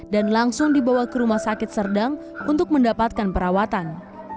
dan langsung dibawa ke rumah sakit serdang untuk mendapatkan perawatan